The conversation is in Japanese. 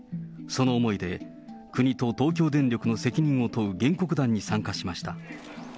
その思いで、国と東京電力の責任を問う原告団に参加しました。